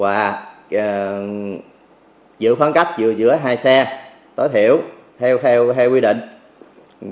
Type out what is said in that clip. và giữ khoảng cách giữa hai xe tối thiểu theo hai quy định